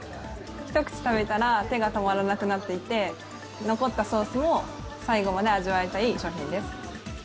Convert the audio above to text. ひと口食べたら手が止まらなくなっていて残ったソースも最後まで味わいたい商品です。